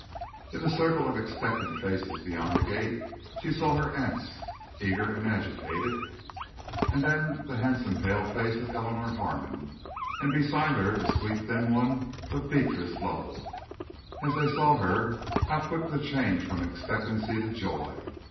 In the circle of expectant faces beyond the gate she saw her aunt's, eager and agitated, then the handsome pale face of Eleanor Harmon, and beside her the sweet thin one of Beatrice Lovell. As they saw her how quick the change from expectancy to joy!